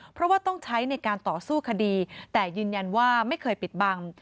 เพราะว่าต้องใช้ในการต่อสู้คดีแต่ยืนยันว่าไม่เคยปิดบัง